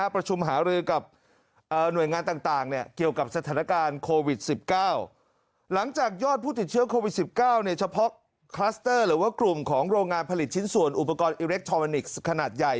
ประชุมหารือกับหน่วยงานต่างเกี่ยวกับสถานการณ์โควิด๑๙